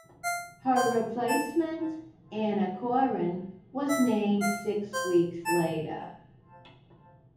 Her replacement, Anna Coren, was named six weeks later.